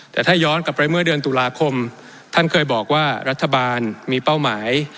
แต่ถ้าย้อนกลับไปเมื่อเดือนตุลาคมท่านเคยบอกว่ารัฐบาลมีเป้าหมาย